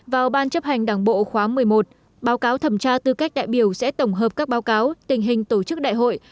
vào ban chấp hành đảng bộ khóa một mươi một báo cáo thẩm tra tư cách đại biểu sẽ tổng hợp các báo cáo tình hình tổ chức đại hội